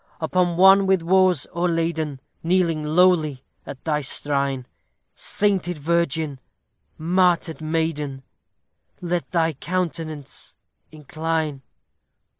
Upon one with woes o'erladen, Kneeling lowly at thy shrine, Sainted virgin! martyr'd maiden! Let thy countenance incline!